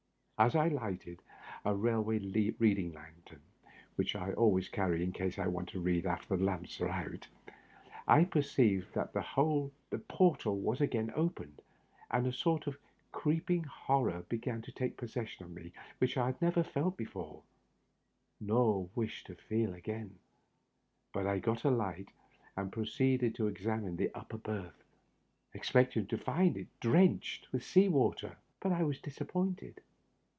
As I lighted a railway reading lantern which I always carry in case I want to read after the lamps are out, I perceived that the port hole was again open, and a sort of creeping horror began to take possession of me which I never felt before, nor wish to feel again. But I got a light and proceeded to examine the upper berth, expecting to find it drenched with sea water. But I was disappointed.